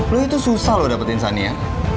lu itu susah lu dapetin sania